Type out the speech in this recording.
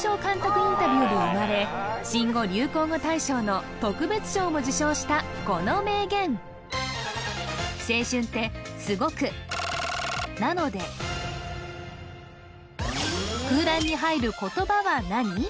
インタビューで生まれ新語・流行語大賞の特別賞も受賞したこの名言空欄に入る言葉は何？